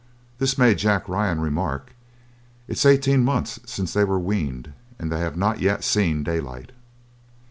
This made Jack Ryan remark, "It's eighteen months since they were weaned, and they have not yet seen daylight!"